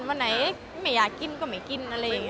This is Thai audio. วันไหนไม่อยากกินก็ไม่กินอะไรอย่างนี้